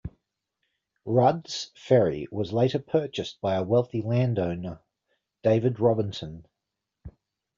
Rudd's Ferry was later purchased by a wealthy landowner, David Robinson.